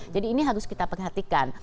jadi ini harus kita perhatikan